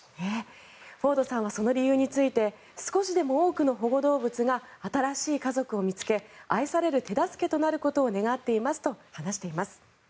フォードさんはその理由について少しでも多くの保護動物が新しい家族を見つけ愛される手助けになることを願っていますと話しています。